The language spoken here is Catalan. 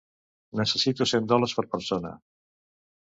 Necessito cent dòlars per persona.